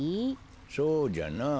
そうじゃなあ。